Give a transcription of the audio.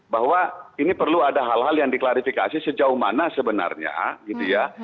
bahwa ini perlu ada hal hal yang diklarifikasi sejauh mana sebenarnya gitu ya